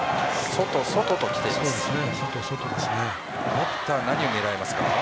バッターは何を狙いますか。